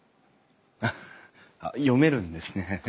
読めるんですね。